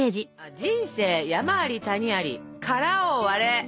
「人生山あり谷ありからを割れ！」